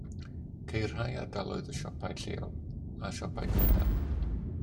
Ceir rhai ardaloedd o siopau lleol a siopau cornel.